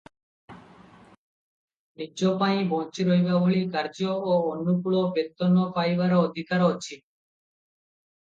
ନିଜ ପାଇଁ ବଞ୍ଚି ରହିବା ଭଳି କାର୍ଯ୍ୟ ଓ ଅନୁକୂଳ ବେତନ ପାଇବାର ଅଧିକାର ଅଛି ।